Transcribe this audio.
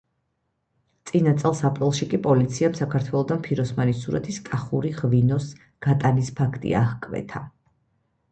წინა წლის აპრილში კი პოლიციამ საქართველოდან ფიროსმანის სურათის „კახური ღვინოს“ გატანის ფაქტი აღკვეთა.